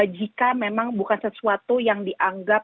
jika memang bukan sesuai dengan kondisi kesehatan ratu